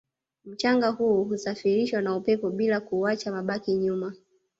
mchanga huo husafirishwa na upepo bila kuacha mabaki nyuma